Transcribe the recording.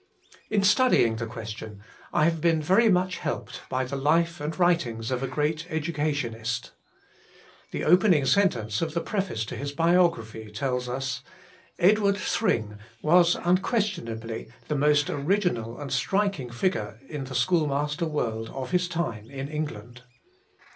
In studying the question I have been very much helped by the life and writings of a great educationist. The opening sentence of the preface to his biography tells us :' Ed ward Thring was unquestionably the most original and striking figure in the school master world of his time in England.'